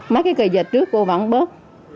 mấy cái kỳ dịch trước cô vẫn bớt